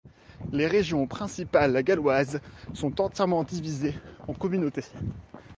Les régions principales galloises sont entièrement divisées en communautés.